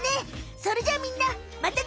それじゃあみんなまたね！